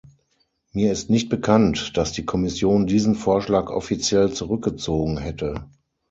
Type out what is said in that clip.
Mir ist nicht bekannt, dass die Kommission diesen Vorschlag offiziell zurückgezogen hätte.